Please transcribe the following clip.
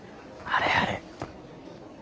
あれあれ。